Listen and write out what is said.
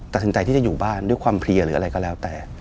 ตัดสินใจที่จะอยู่บ้านด้วยความเพลียหรืออะไรก็แล้วแต่